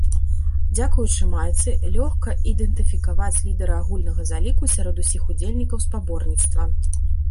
Дзякуючы майцы, лёгка ідэнтыфікаваць лідара агульнага заліку сярод усіх удзельнікаў спаборніцтва.